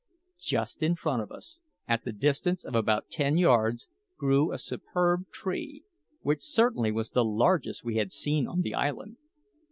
Just in front of us, at the distance of about ten yards, grew a superb tree, which certainly was the largest we had yet seen on the island.